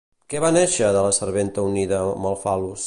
Què va néixer de la serventa unida amb el fal·lus?